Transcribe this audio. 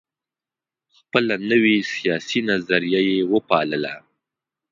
خپله نوي سیاسي نظریه یې وپالله.